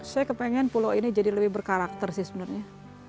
saya kepengen pulau ini jadi lebih berkarakter sih sebenarnya